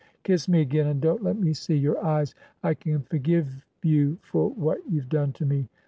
' Kiss me again, and don't let me see your eyes! I can forgive you for what you've done to me.